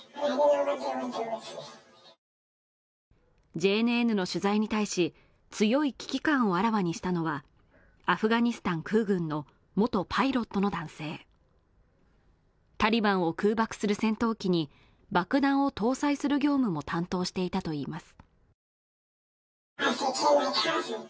ＪＮＮの取材に対し強い危機感をあらわにしたのはアフガニスタン空軍の元パイロットの男性タリバンを空爆する戦闘機に爆弾を搭載する業務も担当していたといいます